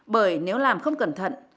bởi nếu làm không cẩn thận